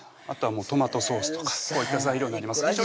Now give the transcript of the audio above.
あとはもうトマトソースとかこういった材料になります